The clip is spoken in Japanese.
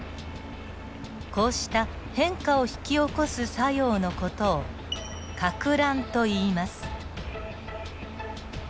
こうした変化を引き起こす作用の事をかく乱といいます。